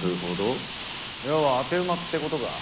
要は当て馬ってことか。